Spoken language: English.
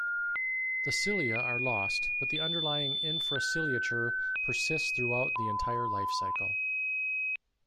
The cilia are lost, but the underlying infraciliature persists throughout the entire life-cycle.